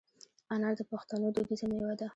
انار د پښتنو دودیزه مېوه ده.